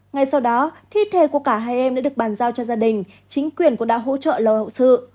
ngay sau đó thi thể của cả hai em đã được bàn giao cho gia đình chính quyền cũng đã hỗ trợ lo hậu sự